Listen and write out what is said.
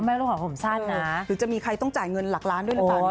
หรือจะมีใครต้องจ่ายเงินหลักล้านด้วยหรือเปล่า